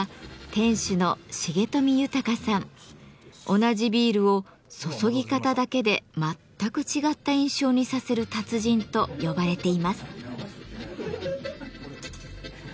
同じビールを注ぎ方だけで全く違った印象にさせる達人と呼ばれています。